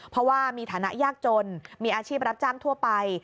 เพราะว่ามีฐานะยากจนมีอาชีพรับจ้างทั่วไป